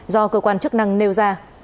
do cơ quan chức năng nêu ra